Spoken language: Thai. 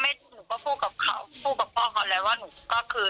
ทำงานของหนูไม่ค่อยมีเวลาเฉพาะลูกหนูเองก็ต้องดูแล